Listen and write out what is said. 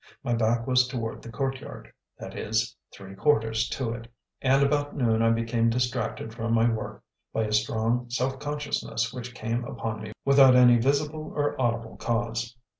My back was toward the courtyard, that is, "three quarters" to it, and about noon I became distracted from my work by a strong self consciousness which came upon me without any visible or audible cause.